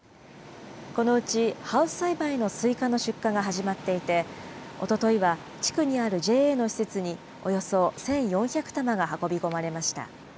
このうち、ハウス栽培のすいかの出荷が始まっていて、おとといは地区にあるＪＡの施設におよそ１４００玉が運び込まれました。